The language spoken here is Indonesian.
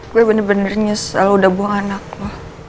gue bener bener nyesel lo udah buang anak lo